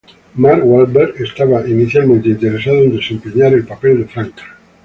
Mark Wahlberg estaba inicialmente interesado en desempeñar el papel de Frank.